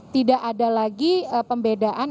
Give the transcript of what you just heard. tidak ada lagi pembedaan